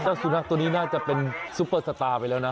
สุนัขตัวนี้น่าจะเป็นซุปเปอร์สตาร์ไปแล้วนะ